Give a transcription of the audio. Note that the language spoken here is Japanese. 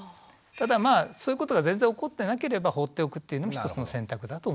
ただまあそういうことが全然起こってなければ放っておくっていうのも１つの選択だと思います。